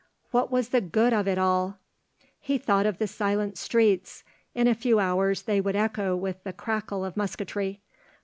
What was the good of it all? He thought of the silent streets; in a few hours they would echo with the crackle of musketry.